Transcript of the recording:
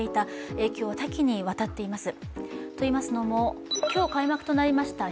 影響は多岐にわたっています。